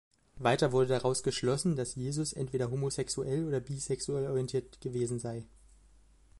Weiter wurde daraus geschlossen, dass Jesus entweder homosexuell oder bisexuell orientiert gewesen sei.